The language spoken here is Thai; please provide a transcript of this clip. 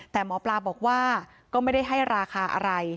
แต่หมอปลาบอกว่าก็ไม่ได้ให้ราคาอะไร